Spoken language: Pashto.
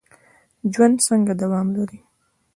ژوند څنګه دوام لري؟